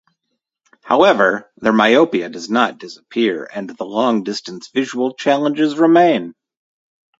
However, their myopia does not disappear and the long-distance visual challenges remain.